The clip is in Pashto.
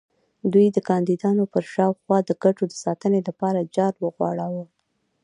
دوی د کاندیدانو پر شاوخوا د ګټو د ساتنې لپاره جال وغوړاوه.